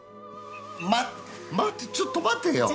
待ってちょっと待ってよ！